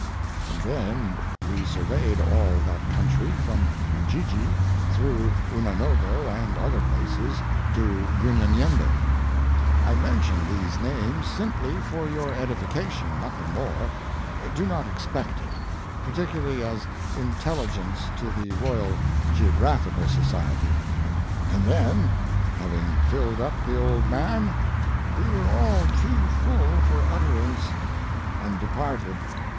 And then we surveyed all that country, from Ujiji, through Unanogo and other places, to Unyanyembe. I mention these names simply for your edification, nothing more—do not expect it—particularly as intelligence to the Royal Geographical Society. And then, having filled up the old man, we were all too full for utterance and departed.